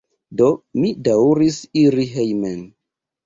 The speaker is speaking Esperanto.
Do, mi daŭris iri hejmen.